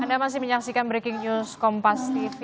anda masih menyaksikan breaking news kompas tv